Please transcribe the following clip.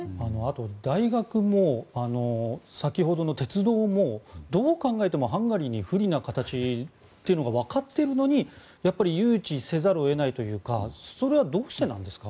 大学も、先ほどの鉄道もどう考えてもハンガリーに不利な形というのが分かっているのに誘致せざるを得ないというかそれは、どうしてですか。